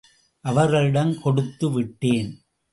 அவர்களிடம் கொடுத்து விட்டேன்.